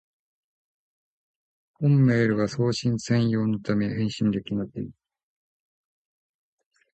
本メールは送信専用のため、返信できません